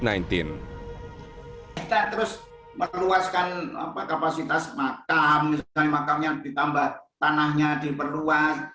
kita terus meluaskan kapasitas makam misalnya makamnya ditambah tanahnya diperluas